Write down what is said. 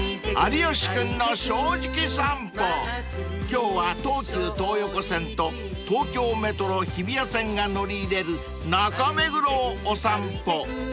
［今日は東急東横線と東京メトロ日比谷線が乗り入れる中目黒をお散歩］